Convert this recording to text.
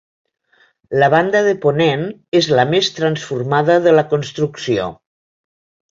La banda de ponent és la més transformada de la construcció.